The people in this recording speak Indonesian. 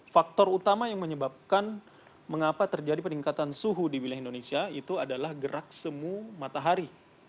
faktor utama yang menyebabkan mengapa terjadi peningkatan suhu di wilayah indonesia itu adalah gerak semu matahari